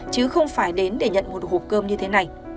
chứ không phải đến để nhận một hộp cơm như thế này